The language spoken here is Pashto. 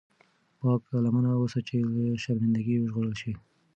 پاک لمن اوسه چې له شرمنده ګۍ وژغورل شې.